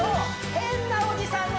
変なおじさんだ！